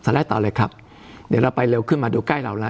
ไลด์ต่อเลยครับเดี๋ยวเราไปเร็วขึ้นมาดูใกล้เราแล้ว